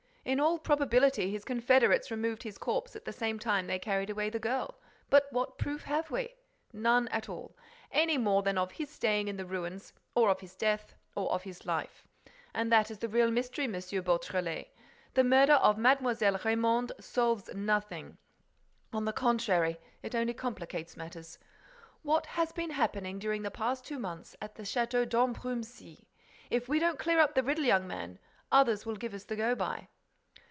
In all probability, his confederates removed his corpse at the same time that they carried away the girl; but what proof have we? None at all. Any more than of his staying in the ruins, or of his death, or of his life. And that is the real mystery, M. Beautrelet. The murder of Mlle. Raymonde solves nothing. On the contrary, it only complicates matters. What has been happening during the past two months at the Château d'Ambrumésy? If we don't clear up the riddle, young man, others will give us the go by."